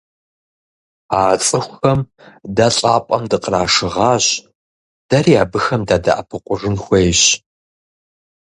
А цӀыхухэм дэ лӀапӀэм дыкърашыгъащ, дэри абыхэм дадэӀэпыкъужын хуейщ.